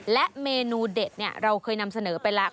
และเมนูเด็ดเราเคยนำเสนอไปแล้ว